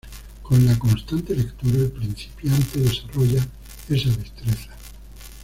Con la constante lectura, el principiante desarrolla esa destreza.